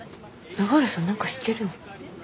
永浦さん何か知ってるの？